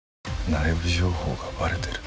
内部情報がバレてる？